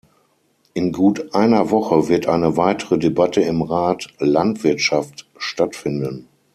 In gut einer Woche wird eine weitere Debatte im Rat "Landwirtschaft" stattfinden.